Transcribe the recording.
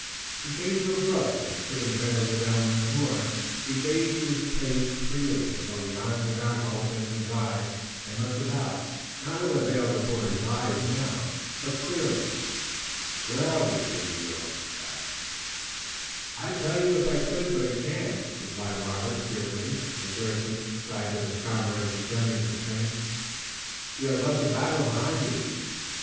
He came to a brook, and putting Tayoga down once more, he bathed his face freely, until the Onondaga opened his eyes and looked about, not with a veil before his eyes now, but clearly. "Where are we, Dagaeoga?" he asked. "I'd tell you if I could, but I can't," replied Robert, cheerfully, rejoiced at the sight of his comrade's returning strength. "You have left the battle behind you?"